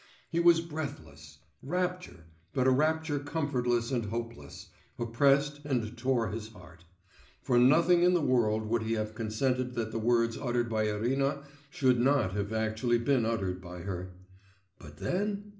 He was breathless; rapture, but a rapture comfortless and hopeless, oppressed and tore his heart. For nothing in the world would he have consented that the words uttered by Irina should not have actually been uttered by her.... But then?